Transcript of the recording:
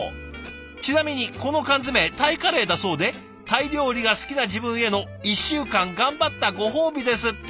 ちなみにこの缶詰タイカレーだそうでタイ料理が好きな自分への１週間頑張ったご褒美ですって！